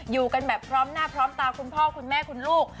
อยู่กันแบบพร้อมหน้าพร้อมตาคุณพ่อคุณแม่คุณลูก